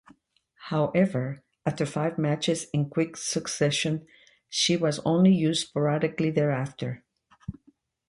However, after five matches in quick succession she was only used sporadically thereafter.